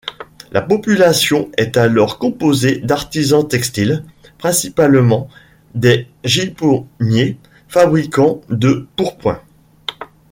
La population est alors composée d'artisans textiles, principalement des gipponiers, fabricants de pourpoints.